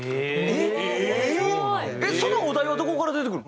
えっそのお題はどこから出てくるの？